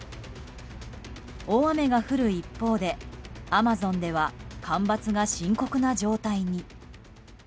大雨が降る一方でアマゾンでは干ばつが深刻な状態に。